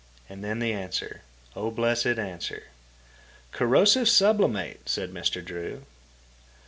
And then the answer—O blessed answer! "Corrosive sublimate," said Mr. Drew.